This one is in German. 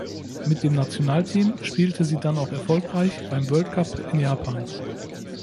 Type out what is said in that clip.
Mit dem Nationalteam spielte sie dann auch erfolgreich beim World Cup in Japan.